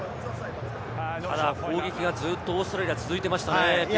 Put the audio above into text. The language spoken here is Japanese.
攻撃が、ずっとオーストラリア続いていましたね。